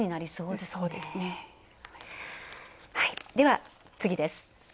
では、次です。